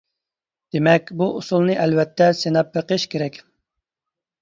دېمەك، بۇ ئۇسۇلنى ئەلۋەتتە سىناپ بېقىش كېرەك.